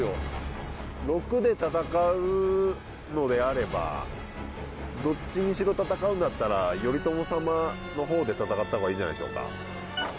６で戦うのであればどっちにしろ戦うんだったら頼朝様のほうで戦ったほうがいいんじゃないでしょうか？